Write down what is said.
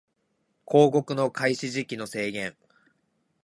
広告の開始時期の制限